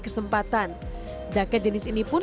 kesempatan jaket jenis ini pun